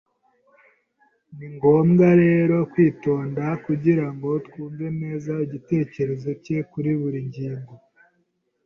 Ni ngombwa rero kwitonda kugira ngo twumve neza igitekerezo cye kuri buri ngingo.